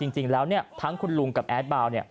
จริงแล้วทั้งคุณลุงกับแอดบาว